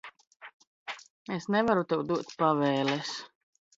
Es nevaru tev dot pavēles.